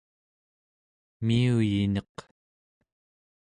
miuyineq